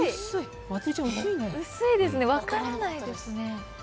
薄いですね、分からないですね。